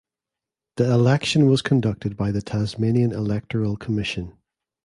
The election was conducted by the Tasmanian Electoral Commission.